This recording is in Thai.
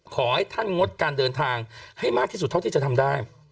ขอให้ท่านงดการเดินทางให้มากที่สุดเท่าที่จะทำได้